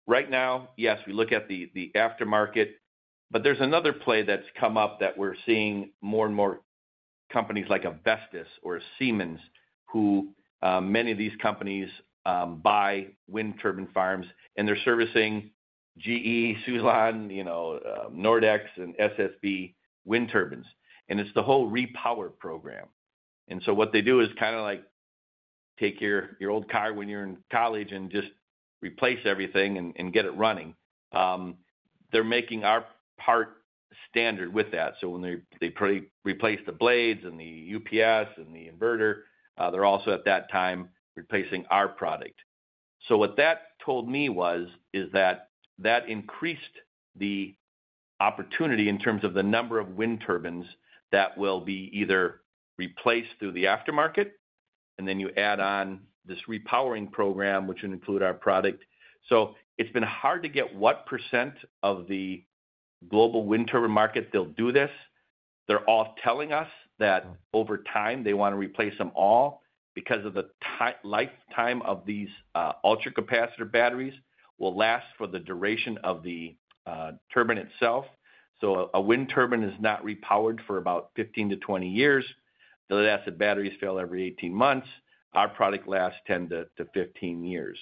right now, yes, we look at the aftermarket, but there's another play that's come up that we're seeing more and more companies like Vestas or Siemens, who many of these companies buy wind turbine farms, and they're servicing GE, Suzlon, Nordex, and SSB wind turbines. And it's the whole repower program. And so what they do is kind of like take your old car when you're in college and just replace everything and get it running. They're making our part standard with that. So when they replace the blades and the UPS and the inverter, they're also at that time replacing our product. So what that told me was that that increased the opportunity in terms of the number of wind turbines that will be either replaced through the aftermarket, and then you add on this repowering program, which would include our product. So it's been hard to get what percent of the global wind turbine market they'll do this. They're all telling us that over time, they want to replace them all because the lifetime of these ultracapacitor batteries will last for the duration of the turbine itself. So a wind turbine is not repowered for about 15 years-20 years. The lead-acid batteries fail every 18 months. Our product lasts 10 years-15 years.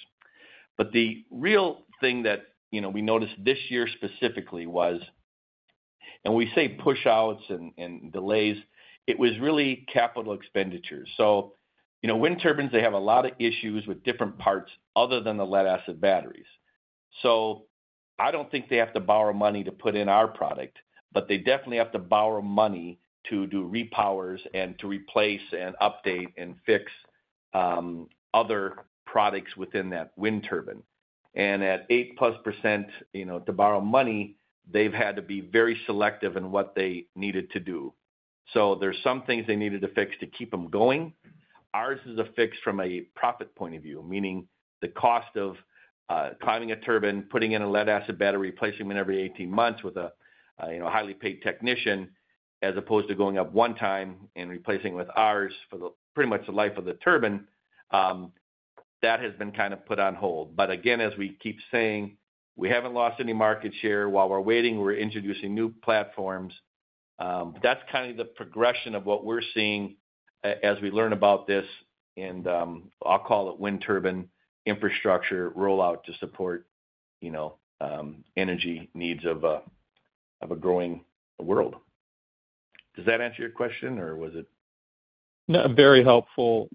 But the real thing that we noticed this year specifically was, and we say push-outs and delays, it was really capital expenditures. So wind turbines, they have a lot of issues with different parts other than the lead-acid batteries. So I don't think they have to borrow money to put in our product, but they definitely have to borrow money to do repowers and to replace and update and fix other products within that wind turbine. And at 8%+ to borrow money, they've had to be very selective in what they needed to do. So there are some things they needed to fix to keep them going. Ours is a fix from a profit point of view, meaning the cost of climbing a turbine, putting in a lead-acid battery, replacing it every 18 months with a highly paid technician, as opposed to going up one time and replacing with ours for pretty much the life of the turbine. That has been kind of put on hold. But again, as we keep saying, we haven't lost any market share. While we're waiting, we're introducing new platforms. That's kind of the progression of what we're seeing as we learn about this, and I'll call it wind turbine infrastructure rollout to support energy needs of a growing world. Does that answer your question, or was it? Very helpful.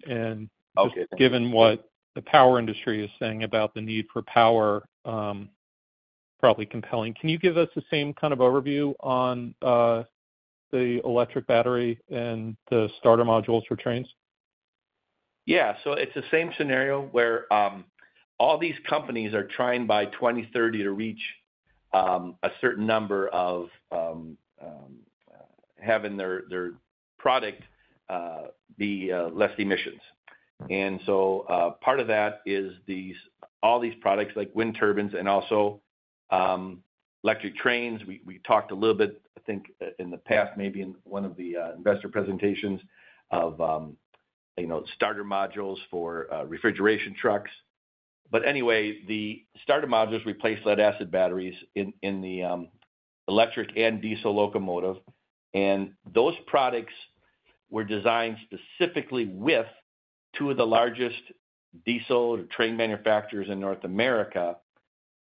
Given what the power industry is saying about the need for power, probably compelling. Can you give us the same kind of overview on the electric battery and the starter modules for trains? Yeah. So it's the same scenario where all these companies are trying by 2030 to reach a certain number of having their product be less emissions. And so part of that is all these products like wind turbines and also electric trains. We talked a little bit, I think, in the past, maybe in one of the investor presentations of starter modules for refrigeration trucks. But anyway, the starter modules replace lead-acid batteries in the electric and diesel locomotive. And those products were designed specifically with two of the largest diesel train manufacturers in North America.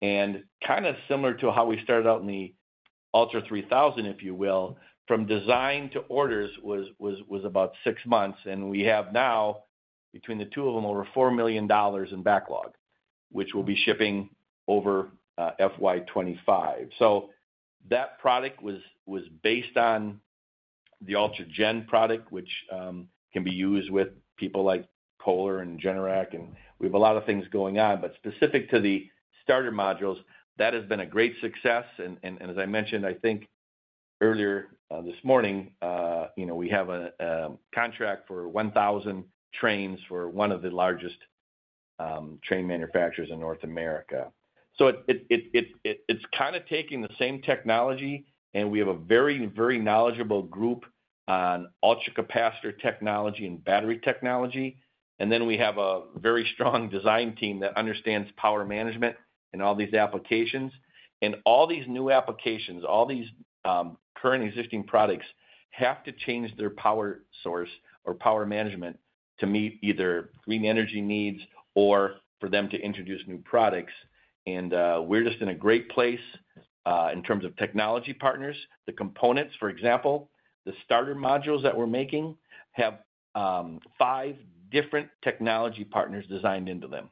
And kind of similar to how we started out in the ULTRA3000, if you will, from design to orders was about six months. And we have now, between the two of them, over $4 million in backlog, which we'll be shipping over FY 2025. So that product was based on the ULTRA GEN product, which can be used with people like Kohler and Generac. And we have a lot of things going on. But specific to the starter modules, that has been a great success. And as I mentioned, I think earlier this morning, we have a contract for 1,000 trains for one of the largest train manufacturers in North America. So it's kind of taking the same technology, and we have a very, very knowledgeable group on ultracapacitor technology and battery technology. And then we have a very strong design team that understands power management and all these applications. And all these new applications, all these current existing products have to change their power source or power management to meet either green energy needs or for them to introduce new products. And we're just in a great place in terms of technology partners. The components, for example, the starter modules that we're making have five different technology partners designed into them.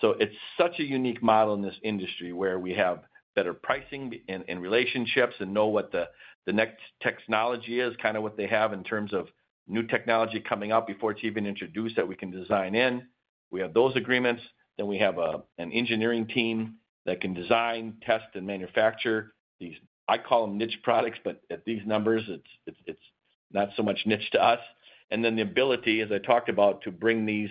So it's such a unique model in this industry where we have better pricing and relationships and know what the next technology is, kind of what they have in terms of new technology coming out before it's even introduced that we can design in. We have those agreements. Then we have an engineering team that can design, test, and manufacture these. I call them niche products, but at these numbers, it's not so much niche to us. And then the ability, as I talked about, to bring these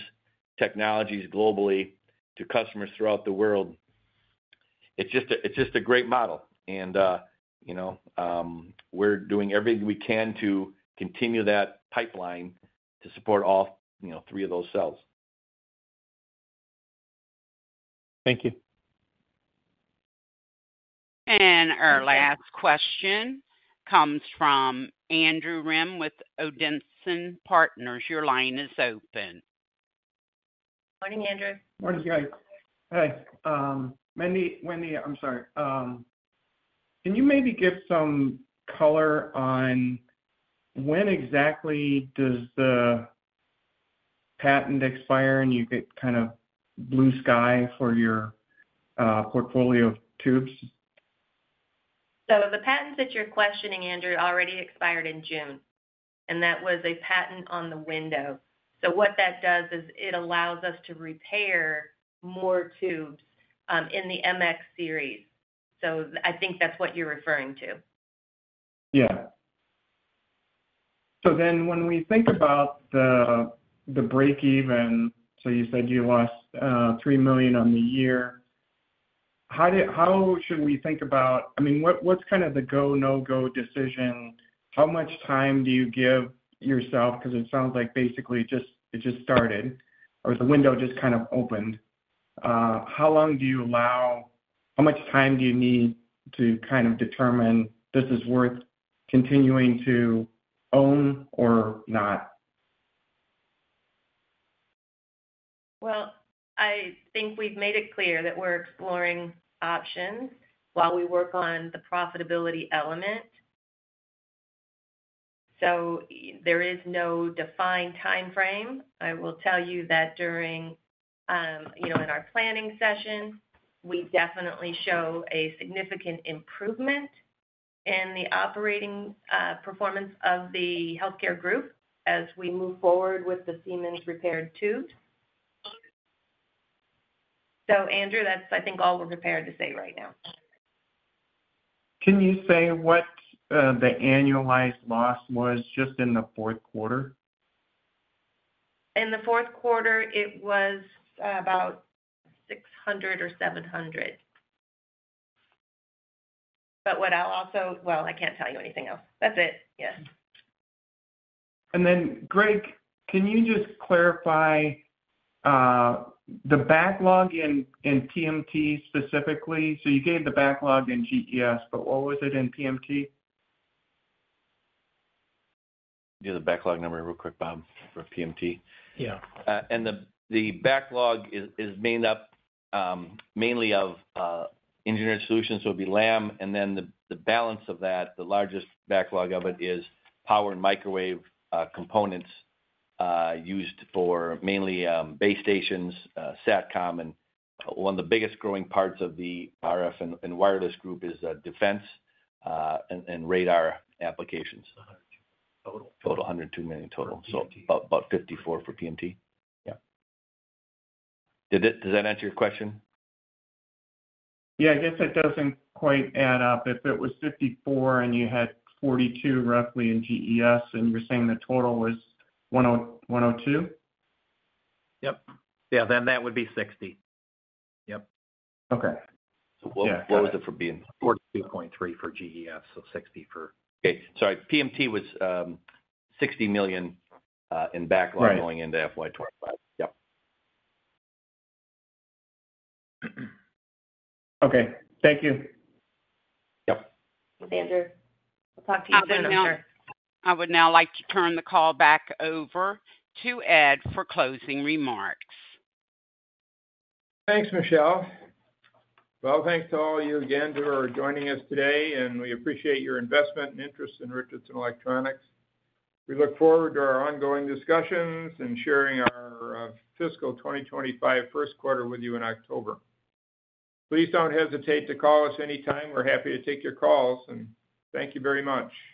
technologies globally to customers throughout the world, it's just a great model. And we're doing everything we can to continue that pipeline to support all three of those cells. Thank you. Our last question comes from Andrew Rem with Odinson Partners. Your line is open. Morning, Andrew. Morning, Greg. Hi. I'm sorry. Can you maybe give some color on when exactly does the patent expire and you get kind of blue sky for your portfolio of tubes? The patents that you're questioning, Andrew, already expired in June. That was a patent on the window. What that does is it allows us to repair more tubes in the MX Series. I think that's what you're referring to. Yeah. So then when we think about the break-even, so you said you lost $3 million on the year. How should we think about, I mean, what's kind of the go, no-go decision? How much time do you give yourself? Because it sounds like basically it just started or the window just kind of opened. How long do you allow? How much time do you need to kind of determine this is worth continuing to own or not? Well, I think we've made it clear that we're exploring options while we work on the profitability element. So there is no defined timeframe. I will tell you that during our planning session, we definitely show a significant improvement in the operating performance of the healthcare group as we move forward with the Siemens repaired tubes. So, Andrew, that's I think all we're prepared to say right now. Can you say what the annualized loss was just in the fourth quarter? In the fourth quarter, it was about 600 or 700. But what I'll also, well, I can't tell you anything else. That's it. Yes. And then, Greg, can you just clarify the backlog in PMT specifically? So you gave the backlog in GES, but what was it in PMT? Do the backlog number real quick, Bob, for PMT. Yeah. The backlog is made up mainly of engineered solutions. So it'd be LAM. Then the balance of that, the largest backlog of it is power and microwave components used for mainly base stations, SATCOM. One of the biggest growing parts of the RF and wireless group is defense and radar applications. Total? Total $102 million total. So about $54 million for PMT. Yeah. Does that answer your question? Yeah. I guess it doesn't quite add up. If it was 54 and you had 42 roughly in GES and you're saying the total was 102? Yep. Yeah. Then that would be 60. Yep. Okay. So what was it for PMT? $42.3 for GES, so $60 for—okay. Sorry. PMT was $60 million in backlog going into FY 2025. Yep Okay. Thank you. Yep. Thanks, Andrew. We'll talk to you soon, sir. I would now like to turn the call back over to Ed for closing remarks. Thanks, Michelle. Well, thanks to all of you again for joining us today. We appreciate your investment and interest in Richardson Electronics. We look forward to our ongoing discussions and sharing our fiscal 2025 first quarter with you in October. Please don't hesitate to call us anytime. We're happy to take your calls. Thank you very much.